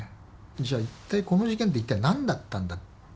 じゃあこの事件って一体何だったんだ。